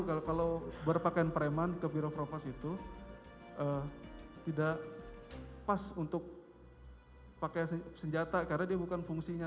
kalau berpakaian preman ke birokropas itu tidak pas untuk pakai senjata karena dia bukan fungsinya